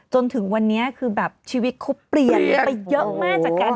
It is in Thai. จนถึงวันนี้จริงบรรยายชีวิตเข้าเปลี่ยนไปเยอะมาก